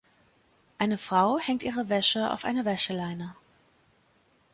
Eine Frau hängt ihre Wäsche auf eine Wäscheleine.